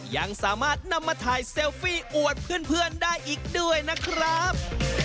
ยังสามารถนำมาถ่ายเซลฟี่อวดเพื่อนได้อีกด้วยนะครับ